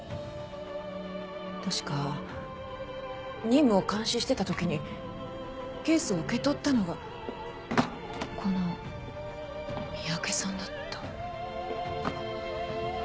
確か任務を監視してた時にケースを受け取ったのがこの三宅さんだった。